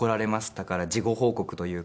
だから事後報告というか。